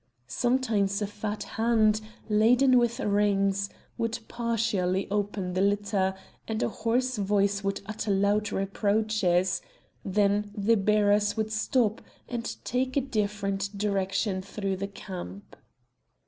Sometimes a fat hand, laden with rings, would partially open the litter, and a hoarse voice would utter loud reproaches; then the bearers would stop and take a different direction through the camp.